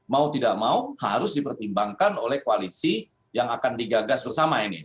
mau tidak mau harus dipertimbangkan oleh koalisi yang akan digagas bersama ini